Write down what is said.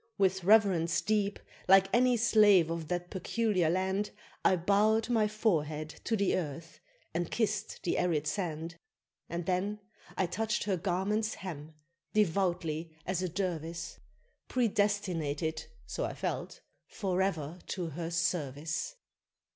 With reverence deep, like any slave of that peculiar land, I bowed my forehead to the earth, and kissed the arid sand; And then I touched her garment's hem, devoutly as a Dervise, Predestinated (so I felt) forever to her service.